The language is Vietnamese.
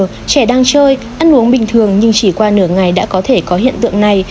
dù trẻ đang chơi ăn uống bình thường nhưng chỉ qua nửa ngày đã có thể có hiện tượng này